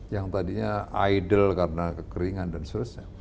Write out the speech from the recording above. yang tadinya idle karena kekeringan dan sebagainya